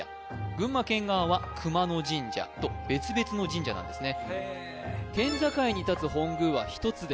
群馬県側は熊野神社と別々の神社なんですね